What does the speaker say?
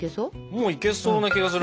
もういけそうな気がするな。